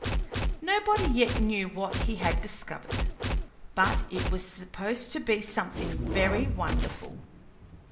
Nobody yet knew what he had discovered, but it was supposed to be something very wonderful.